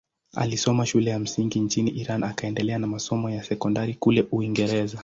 Alisoma shule ya msingi nchini Iran akaendelea na masomo ya sekondari kule Uingereza.